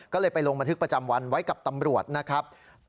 ก็เลยไปลงบันทึกประจำวันไว้กับตำรวจนะครับ